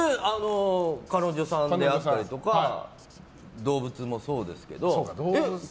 彼女さんであったりとか動物もそうですけど。